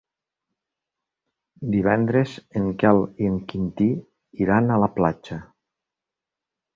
Divendres en Quel i en Quintí iran a la platja.